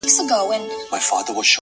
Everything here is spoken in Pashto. ه ياره د څراغ د مــړه كولو پــه نـيت،